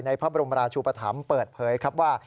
พระบรมราชุปธรรมเปิดเผยครับว่า